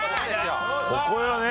ここよね。